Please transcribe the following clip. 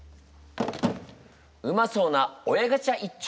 うまそうな親ガチャ一丁！